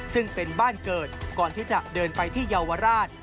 ซึ่งเป็นบ้านเกิดก่อนที่จะเดินไปที่เยาวราช